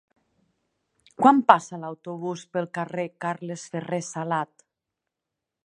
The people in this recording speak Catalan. Quan passa l'autobús pel carrer Carles Ferrer Salat?